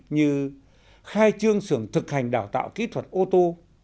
như khai trương sưởng thực hành đào tạo kỹ thuật ô tô